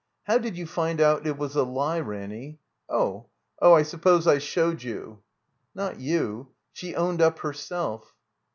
"How did you find out it was a Ke, Ranny? Oh — oh = I suppose I showed you —" "Not you. She owned up herself."